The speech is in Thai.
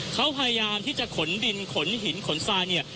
เขาพยายามที่จะขนดินขนหินขนทรายเนี่ย